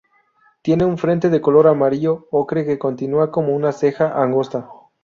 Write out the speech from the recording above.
Tiene un frente de color amarillo ocre que continúa como una ceja angosta.